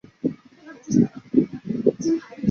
我怕会等很久